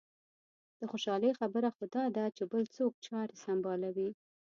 د خوشالۍ خبره خو دا ده چې بل څوک چارې سنبالوي.